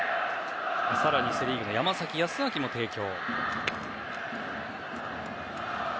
更に、セ・リーグの山崎康晃も帝京。